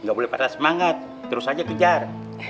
gak boleh patah semangat terus aja kejar